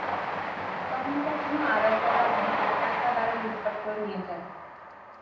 কখনো কখনো আদায় করা ভাড়ার টাকা তারা লুটপাট করে নিয়ে যায়।